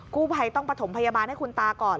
กู้ภัยต้องประถมพยาบาลให้คุณตาก่อน